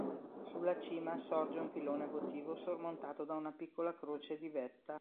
Sulla cima sorge un pilone votivo sormontato da una piccola croce di vetta.